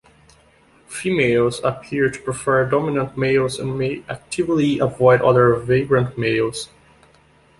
Females appear to prefer dominant males and may actively avoid other vagrant males.